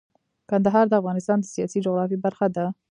کندهار د افغانستان د سیاسي جغرافیه برخه ده.